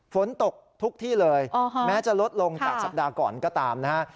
ฝนตกทุกที่เลยแม้จะลดลงจากสัปดาห์ก่อนก็ตามนะฮะ